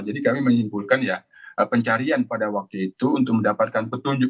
jadi kami menyimpulkan ya pencarian pada waktu itu untuk mendapatkan petunjuk